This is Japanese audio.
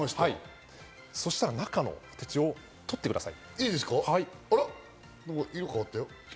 そしたら中のポテチを取ってください。